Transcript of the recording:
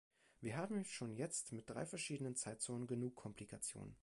Wir haben schon jetzt, mit drei verschiedenen Zeitzonen, genug Komplikationen.